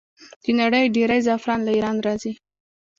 د نړۍ ډیری زعفران له ایران راځي.